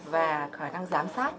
và khả năng giám sát